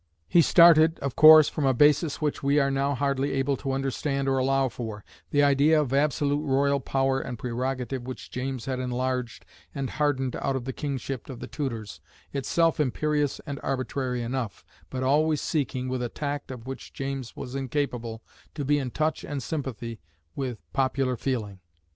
He started, of course, from a basis which we are now hardly able to understand or allow for, the idea of absolute royal power and prerogative which James had enlarged and hardened out of the Kingship of the Tudors, itself imperious and arbitrary enough, but always seeking, with a tact of which James was incapable, to be in touch and sympathy with popular feeling.